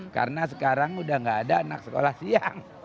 karena sekarang udah gak ada anak sekolah siang